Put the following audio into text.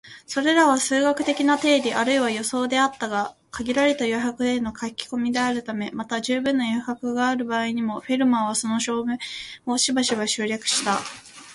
それらは数学的な定理あるいは予想であったが、限られた余白への書き込みであるため、また充分な余白がある場合にも、フェルマーはその証明をしばしば省略した